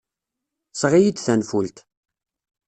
Seɣ-iyi-d tanfult.